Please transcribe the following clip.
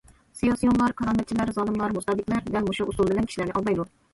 سىياسىيونلار، كارامەتچىلەر، زالىملار، مۇستەبىتلەر دەل مۇشۇ ئۇسۇل بىلەن كىشىلەرنى ئالدايدۇ.